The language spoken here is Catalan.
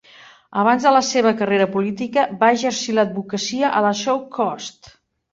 Abans de la seva carrera política, va exercir l'advocacia a la South Coast.